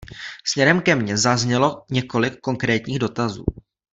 Směrem ke mně zaznělo několik konkrétních dotazů.